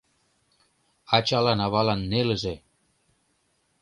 Ачалан-авалан нелыже.